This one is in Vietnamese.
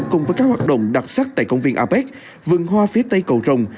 cùng với các hoạt động đặc sắc tại công viên apec vườn hoa phía tây cầu rồng